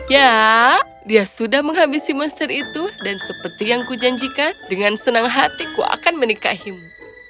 ya dia sudah menghabisi monster itu dan seperti yang kujanjikan dengan senang hatiku akan menikahimu